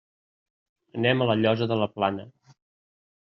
Anem a La Llosa de la Plana.